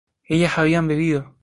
ellas habían bebido